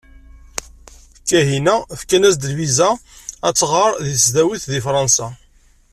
Kahina fkan-as-d lviza ad tɣer deg tesdawit di Fransa.